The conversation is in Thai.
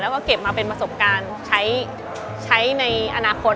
แล้วก็เก็บมาเป็นประสบการณ์ใช้ในอนาคต